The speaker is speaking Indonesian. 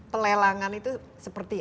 pelelangan itu seperti